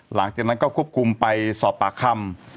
หลังจากนั้นก็ควบคุมไปสอบปากคำ